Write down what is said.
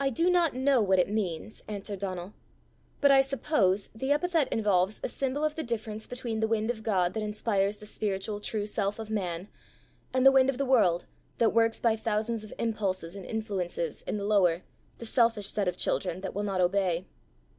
"I do not know what it means," answered Donal; "but I suppose the epithet involves a symbol of the difference between the wind of God that inspires the spiritual true self of man, and the wind of the world that works by thousands of impulses and influences in the lower, the selfish self of children that will not obey.